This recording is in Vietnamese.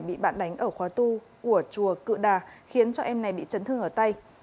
bị bạn đánh ở khóa tu của chùa cự đà khiến cho em này bị chấn thương ở tay